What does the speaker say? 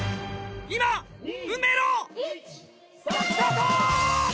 今運命のスタート！